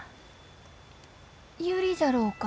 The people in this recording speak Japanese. ユリじゃろうか？